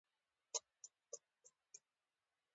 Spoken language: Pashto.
تودوخه د افغانستان د تکنالوژۍ پرمختګ سره تړاو لري.